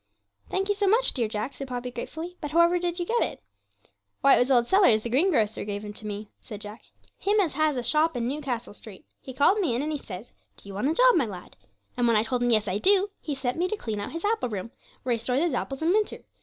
'Thank you so much, dear Jack,' said Poppy gratefully. 'But however did you get it?' 'Why it was old Sellers, the greengrocer, gave him to me,' said Jack, 'him as has a shop in Newcastle Street; he called me in and he says, "Do you want a job, my lad?" and when I told him "Yes, I do," he set me to clean out his apple room, where he stores his apples in winter.